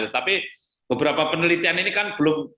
tapi beberapa penelitian ini kan belum